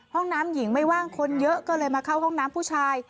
ห้องน้ำหญิงไม่ว่างคนเยอะก็เลยมาเข้าห้องน้ำผู้ชาย